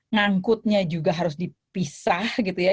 ngangkutnya juga harus dipisah gitu ya